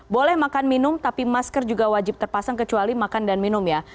boleh makan minum tapi masker juga wajib terpasang kecuali makan dan minum ya